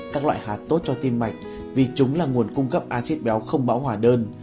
các loại hạt tốt cho tim mạnh vì chúng là nguồn cung cấp acid béo không bão hòa đơn